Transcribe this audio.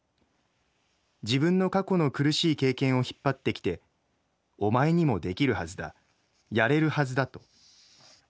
自分の過去の苦しい経験を引っ張ってきてお前にもできるはずだやれるはずだと。